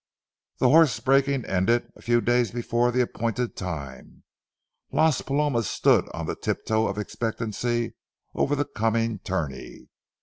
The horse breaking ended a few days before the appointed time. Las Palomas stood on the tiptoe of expectancy over the coming tourney.